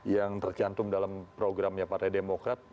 yang tercantum dalam programnya partai demokrat